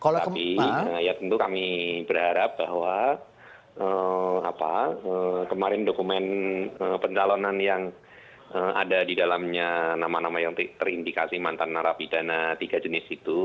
tapi ya tentu kami berharap bahwa kemarin dokumen pencalonan yang ada di dalamnya nama nama yang terindikasi mantan narapidana tiga jenis itu